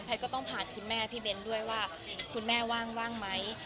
ก็ต้องผ่านคุณแม่พี่เบ้นด้วยว่าคุณแม่ว่างไหม